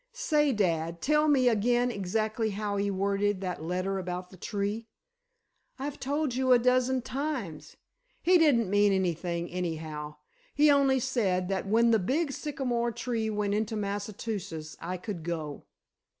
Say, dad, tell me again exactly how he worded that letter about the tree." "I've told you a dozen times! He didn't mean anything anyhow. He only said, that when the big sycamore tree went into Massachusetts I could go."